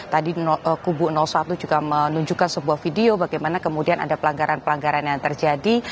tadi kubu satu juga menunjukkan sebuah video bagaimana kemudian ada pelanggaran pelanggaran yang terjadi